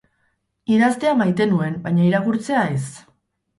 Idaztea maite nuen, baina irakurtzea ez.